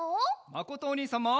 まことおにいさんも！